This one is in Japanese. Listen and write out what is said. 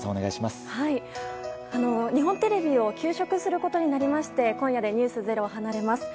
日本テレビを休職することになりまして今夜で「ｎｅｗｓｚｅｒｏ」を離れます。